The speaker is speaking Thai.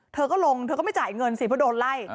เธอก็ลงเธอก็ไม่จ่ายเงินสิเพราะโดนไล่